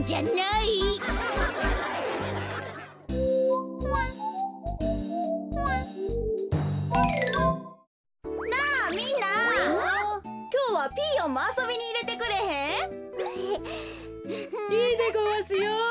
いいでごわすよ！